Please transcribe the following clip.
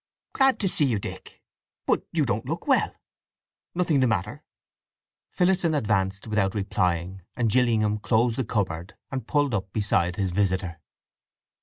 "Glad to see you, Dick! But you don't look well! Nothing the matter?" Phillotson advanced without replying, and Gillingham closed the cupboard and pulled up beside his visitor.